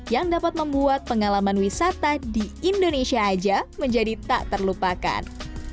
yang dapat membuat pengalaman wisata di indonesia aja menjadi tak terlupakan